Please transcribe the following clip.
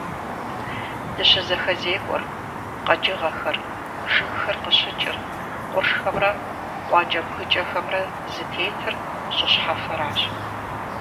ДыщызэхэзекӀуэр, къэкӀыгъэхэр, жыгхэр къыщыкӀыр, къуршхэмрэ къуакӀэ-бгыкӀэхэмрэ зытетыр щӀы щхьэфэращ.